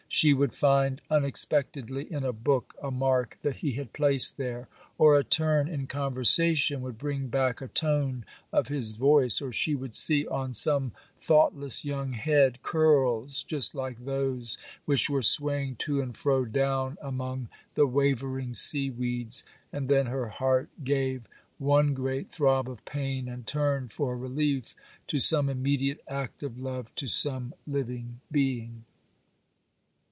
She would find unexpectedly in a book a mark that he had placed there, or a turn in conversation would bring back a tone of his voice, or she would see on some thoughtless young head, curls just like those which were swaying to and fro down among the wavering seaweeds, and then her heart gave one great throb of pain, and turned for relief to some immediate act of love to some living being.